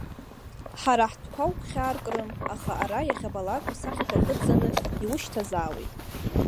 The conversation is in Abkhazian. Ҳара ҳтәқәа угәхьаа ркрым, аха ара, иахьабалак усахьақәа кыдҵаны, иушьҭазаауеит.